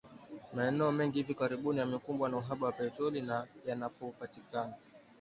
Maeneo mengi hivi karibuni yamekumbwa na uhaba wa petroli na yanapopatikana